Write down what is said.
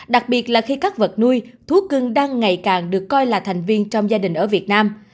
đặc biệt là khi các vật nuôi thú cưng đang ngày càng được coi là thành viên trong gia đình ở việt nam